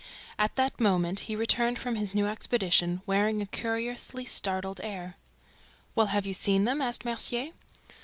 At that moment he returned from his new expedition, wearing a curiously startled air. "Well, have you seen them?" asked Mercier.